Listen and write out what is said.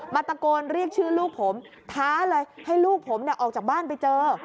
ตะโกนเรียกชื่อลูกผมท้าเลยให้ลูกผมออกจากบ้านไปเจอ